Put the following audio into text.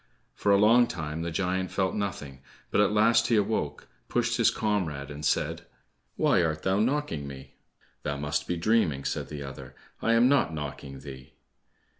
For a long time the giant felt nothing, but at last he awoke, pushed his comrade, and said, "Why art thou knocking me?" "Thou must be dreaming," said the other, "I am not knocking thee."